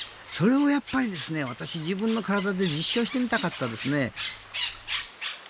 それをやっぱり私、自分の体で実証してみたかったんですね。